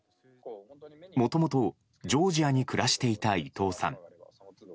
もともと、ジョージアに暮らしていた伊藤さん。